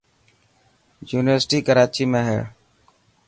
يونيورسٽي ڪراچي ۾ هي.